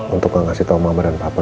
untuk gak ngasih tau mama dan papa